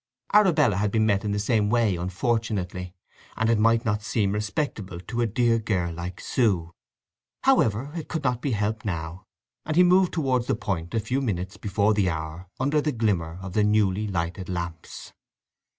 Arabella had been met in the same way, unfortunately, and it might not seem respectable to a dear girl like Sue. However, it could not be helped now, and he moved towards the point a few minutes before the hour, under the glimmer of the newly lighted lamps.